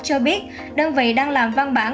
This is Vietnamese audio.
cho biết đơn vị đang làm văn bản